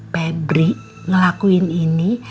febri ngelakuin ini